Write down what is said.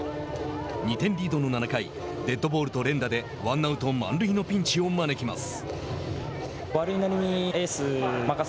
２点リードの７回デッドボールと連打でワンアウト、満塁のピンチを招きます。